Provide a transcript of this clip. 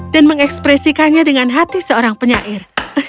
dan mengekspresikannya dengan hati seorang penyair